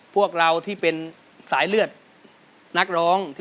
โจทย์มาเลยครับ